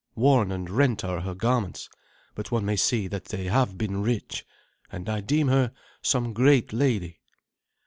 Worn and rent are her garments, but one may see that they have been rich, and I deem her some great lady."